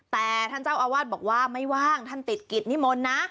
แต่ท่านเจ้าอาวาสบอกว่าไม่ว่างท่านติดกิจนิมนต์นะ